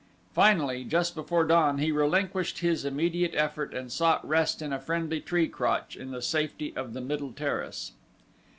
Finally, just before dawn, he relinquished his immediate effort and sought rest in a friendly tree crotch in the safety of the middle terrace.